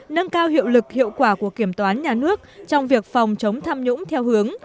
nâng cao hiệu lực hiệu quả của kiểm toán nhà nước trong việc phòng chống tham nhũng theo hướng